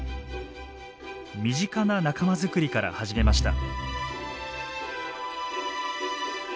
身近な仲間作りから始めました。